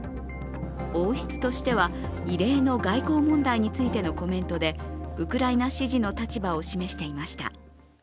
王室としては異例の外交問題についてのコメントでウクライナ支持の立場を示していました。